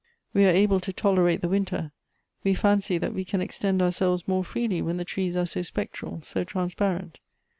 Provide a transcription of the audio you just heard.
24 1 " We are able to tolerate the wLnter. We fancy that we can extend oursch'es more freely when the trees are so spectral, so transpiirent.